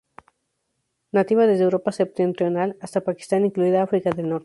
Nativa desde Europa septentrional hasta Pakistán, incluida África del Norte.